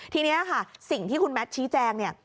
ทีนี้ค่ะสิ่งที่คุณแมทชี้แจงเนี่ย